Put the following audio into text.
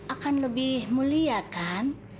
akan lebih mulia kan